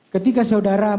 ketika saudara melakukan